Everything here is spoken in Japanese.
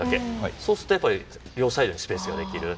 そうすると両サイドにスペースができる。